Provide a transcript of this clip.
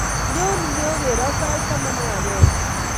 Nyoo nyogero sait taman ago agenge